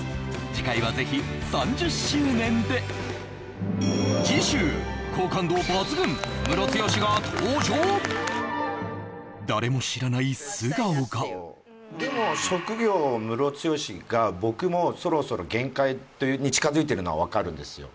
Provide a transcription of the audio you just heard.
次回はぜひ３０周年で！が登場誰も知らない素顔がでも職業ムロツヨシが僕もそろそろ限界に近づいてるのは分かるんですよ